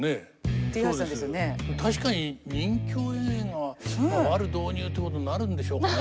確かに任侠映画はワル導入ってことになるんでしょうかね。